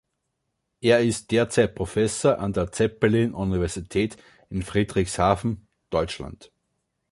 Er ist derzeit Professor an der Zeppelin Universität in Friedrichshafen, Deutschland.